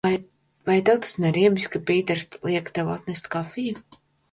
Vai tev tas neriebjas, ka Pīters liek tev atnest kafiju?